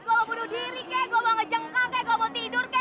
gue mau bunuh diri gue mau ngejengkang gue mau tidur